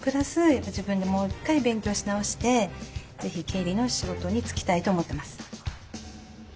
自分でもう一回勉強し直して是非経理の仕事に就きたいと思ってます。